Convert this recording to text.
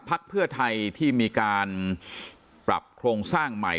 พักเพื่อไทยที่มีการปรับโครงสร้างใหม่